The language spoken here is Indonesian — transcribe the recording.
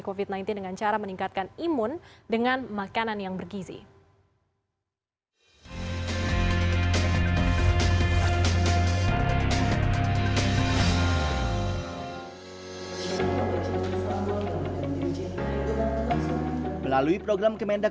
covid sembilan belas dengan cara meningkatkan imun dengan makanan yang bergizi melalui program kemendak